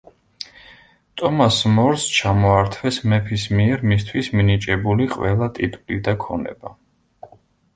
ტომას მორს ჩამოართვეს მეფის მიერ მისთვის მინიჭებული ყველა ტიტული და ქონება.